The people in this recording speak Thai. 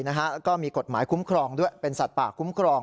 แล้วก็มีกฎหมายคุ้มครองด้วยเป็นสัตว์ป่าคุ้มครอง